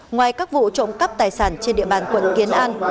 ngoài các vụ trộm cắp tài sản trên địa bàn quận kiến an